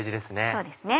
そうですね。